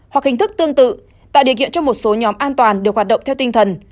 hoặc hình thức tương tự tạo điều kiện cho một số nhóm an toàn được hoạt động theo tinh thần